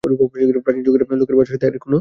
প্রাচীন যুগের লোকের ভাষার সাথে এর কোন মিল নেই।